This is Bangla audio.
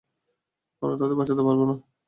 আমরা তাদের বাঁচাতে পারব না।